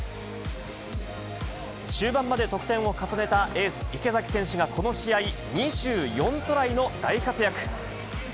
終盤まで得点を重ねたエース、池崎選手が、この試合２４トライの大活躍。